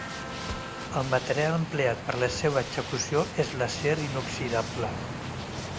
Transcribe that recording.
El material empleat per la seua execució és l’acer inoxidable.